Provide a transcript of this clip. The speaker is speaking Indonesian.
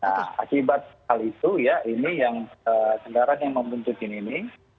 nah akibat hal itu ya ini yang kendaraan yang membentukin ini